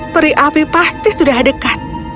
peri api pasti sudah dekat